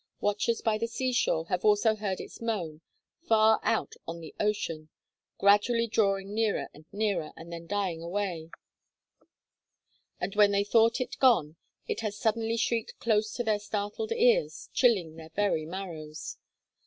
Watchers by the sea shore have also heard its moan far out on the ocean, gradually drawing nearer and nearer, and then dying away; and when they thought it gone it has suddenly shrieked close to their startled ears, chilling their very marrows.